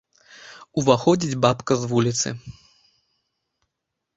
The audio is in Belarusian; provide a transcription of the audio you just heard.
Уваходзіць бабка з вуліцы.